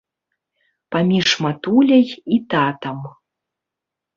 Паміж матуляй і татам.